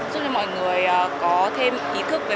giúp cho mọi người có thêm ý thức về phòng cháy